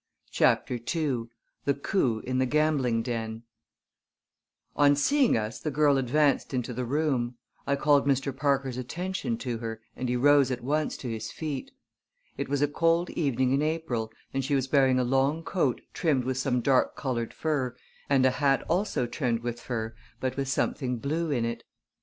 CHAPTER II THE COUP IN THE GAMBLING DEN On seeing us the girl advanced into the room. I called Mr. Parker's attention to her and he rose at once to his feet. It was a cold evening in April and she was wearing a long coat trimmed with some dark colored fur, and a hat also trimmed with fur, but with something blue in it.